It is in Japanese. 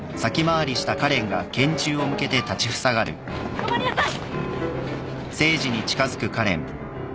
止まりなさい！